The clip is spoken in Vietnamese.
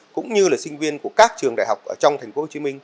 cũng như là sinh viên của các trường đại học trong tp hcm